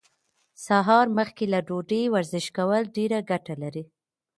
سهار مخکې له ډوډۍ ورزش کول ډيره ګټه لري.